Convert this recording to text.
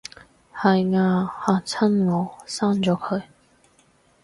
係吖，嚇親我，刪咗佢